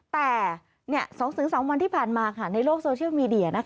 แต่๒๓วันที่ผ่านมาในโลกโซเชียลมีเดีย